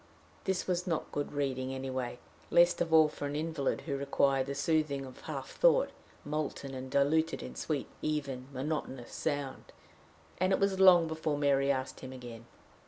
This was not good reading anyway, least of all for an invalid who required the soothing of half thought, molten and diluted in sweet, even, monotonous sound, and it was long before Mary asked him again.